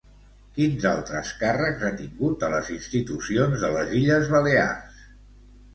Quins altres càrrecs ha tingut a les institucions de les Illes Balears?